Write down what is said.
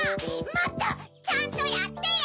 もっとちゃんとやってよ！